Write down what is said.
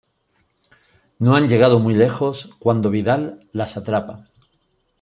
No han llegado muy lejos cuando Vidal las atrapa.